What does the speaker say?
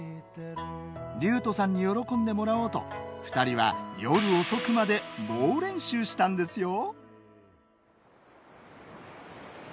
琉斗さんに喜んでもらおうと２人は夜遅くまで猛練習したんですよ。